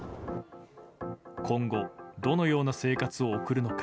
今後、どのような生活を送るのか。